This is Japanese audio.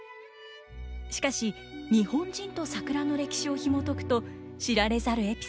しかし日本人と桜の歴史をひもとくと知られざるエピソードが満載。